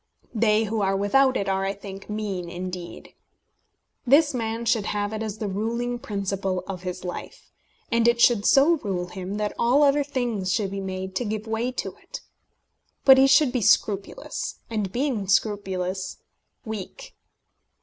They who are without it are, I think, mean indeed. This man should have it as the ruling principle of his life; and it should so rule him that all other things should be made to give way to it. But he should be scrupulous, and, being scrupulous, weak.